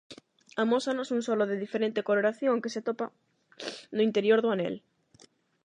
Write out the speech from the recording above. Amósanos un solo de diferente coloración que se atopa no interior do anel.